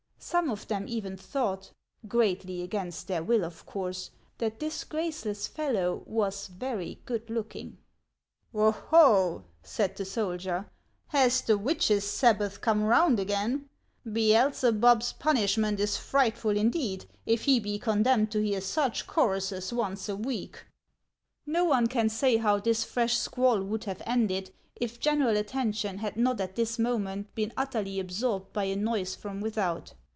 Some of them even thought — greatly against their will, of course — that this graceless fellow was very good looking. "Oh, ho! "said the soldier; "has the witches' Sabbath come round again ? Beelzebub's punishment is frightful indeed if he be condemned to hear such choruses once a week !" Xo one can say how this fresh squall would have ended, if general attention had not at this moment been utterly absorbed by a noise from without.